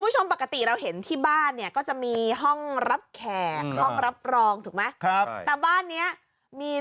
ผู้ชมปกติเราเห็นที่บ้านเนี่ยก็จะมีห้องรับแขกห้องรับรองถูกไหม